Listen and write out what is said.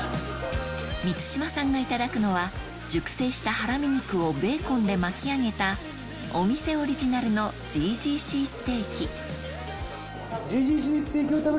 満島さんがいただくのは熟成したハラミ肉をベーコンで巻き上げたお店オリジナルのうん！おいしいよ。